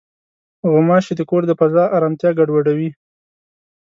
غوماشې د کور د فضا ارامتیا ګډوډوي.